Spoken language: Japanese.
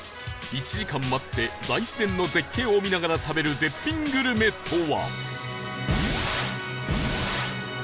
１時間待って大自然の絶景を見ながら食べる絶品グルメとは？